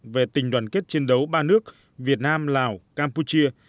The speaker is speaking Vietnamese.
về tình đoàn kết chiến đấu ba nước việt nam lào campuchia